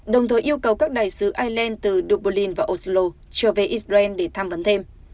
đồng thời yêu cầu các đại sứ ireland từ dubolin và oslo trở về israel để tham vấn thêm